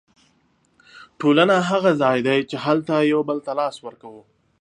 ټولنه هغه ځای دی چې هلته یو بل ته لاس ورکوو.